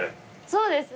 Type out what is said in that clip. そうです。